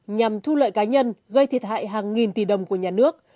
nhằm thu lợi cá nhân gây thiệt hại hàng nghìn tỷ đồng của nhà nước